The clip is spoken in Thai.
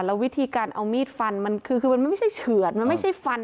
แล้ววิธีการเอามีดฟันมันคือมันไม่ใช่เฉือนมันไม่ใช่ฟัน